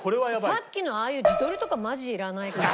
さっきのああいう自撮りとかマジいらないから。